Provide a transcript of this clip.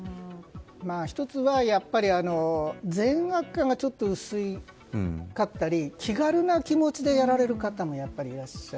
１つは、善悪感が薄かったり気軽な気持ちでやられる方もやっぱりいらっしゃる。